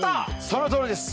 そのとおりです！